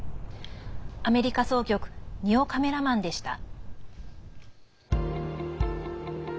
アメリカ総局丹尾カメラマンでした。